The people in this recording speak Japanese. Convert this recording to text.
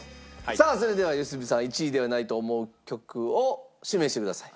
さあそれでは良純さん１位ではないと思う曲を指名してください。